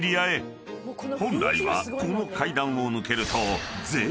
［本来はこの階段を抜けると］